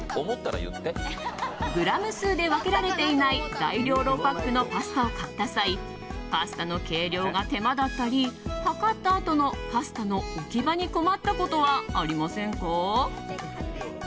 グラム数で分けられていない大容量パックのパスタを買った際パスタの計量が手間だったり量ったあとのパスタの置き場に困ったことはありませんか？